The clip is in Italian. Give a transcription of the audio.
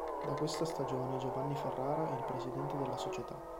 Da questa stagione Giovanni Ferrara è il presidente della società.